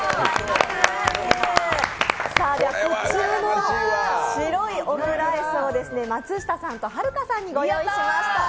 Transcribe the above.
ではこちらの白いオムライスをですね、松下さんとはるかさんにご用意いたしました。